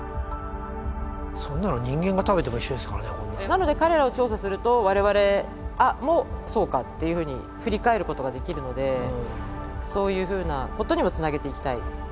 なので彼らを調査すると我々もそうかっていうふうに振り返ることができるのでそういうふうなことにもつなげていきたい。